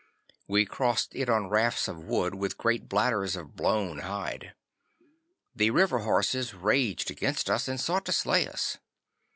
We crossed it on rafts of wood with great bladders of blown hide. The river horses raged against us and sought to slay us.